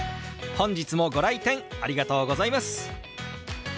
本日もご来店ありがとうございます。